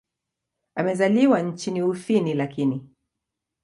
Amezaliwa nchini Ufini lakini.